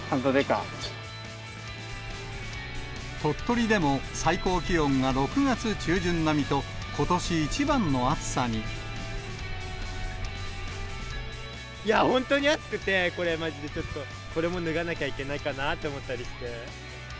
鳥取でも、最高気温が６月中いや、本当に暑くて、これ、まじでちょっと、これも脱がなきゃいけないかなって思ったりして。